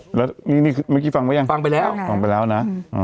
อีกแล้วแล้วนี่นี่คือเมื่อกี้ฟังไปยังฟังไปแล้วฟังไปแล้วน่ะอ๋อ